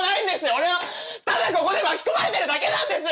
俺はただここで巻き込まれてるだけなんですよ！